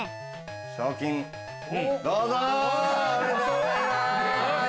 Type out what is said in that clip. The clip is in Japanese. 賞金どうぞ。